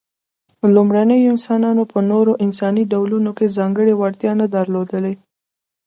لومړنيو انسانانو په نورو انساني ډولونو کې ځانګړې وړتیا نه درلودلې.